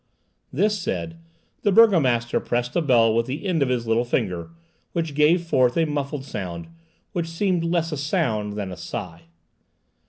This said, the burgomaster pressed a bell with the end of his little finger, which gave forth a muffled sound, which seemed less a sound than a sigh.